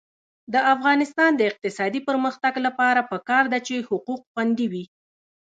د افغانستان د اقتصادي پرمختګ لپاره پکار ده چې حقوق خوندي وي.